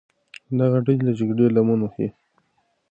دغه ډلې د جګړې لمن وهي.